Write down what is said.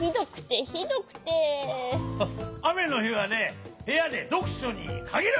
あめのひはねへやでどくしょにかぎる！